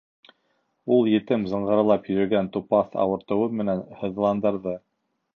Ул етем зыңғырлап йөрәген тупаҫ ауыртыу менән һыҙландырҙы.